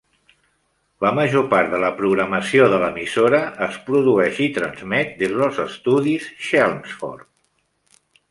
La major part de la programació de l'emissora es produeix i transmet des dels estudis Chelmsford.